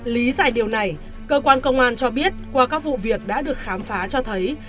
lý giải điều này cơ quan công an cho biết qua các vụ việc đã được khám phá cho thấy